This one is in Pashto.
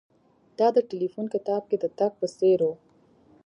دا د ټیلیفون کتاب کې د تګ په څیر و